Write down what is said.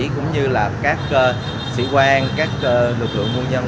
cũng như là các sĩ quan các lực lượng quân nhân